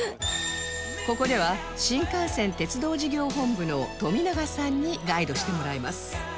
ここでは新幹線鉄道事業本部の冨永さんにガイドしてもらいます